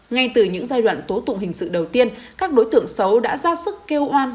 ngay từ những giai đoạn tố tụng hình sự đầu tiên các đối tượng xấu đã ra sức kêu oan